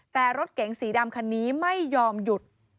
แต่รถเก๋งสีดำคันนี้ไม่ยอมหยุด